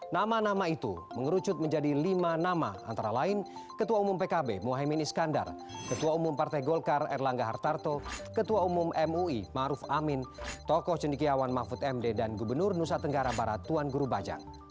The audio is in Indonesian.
nama nama itu mengerucut menjadi lima nama antara lain ketua umum pkb mohaimin iskandar ketua umum partai golkar erlangga hartarto ketua umum mui maruf amin tokoh cendikiawan mahfud md dan gubernur nusa tenggara barat tuan guru bajang